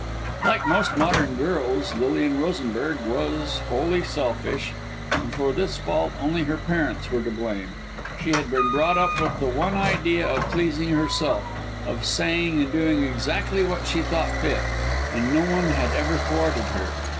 Like most modern girls, Lilian Rosenberg was wholly selfish; and for this fault only her parents were to blame. She had been brought up with the one idea of pleasing herself, of saying and doing exactly what she thought fit; and no one had ever thwarted her.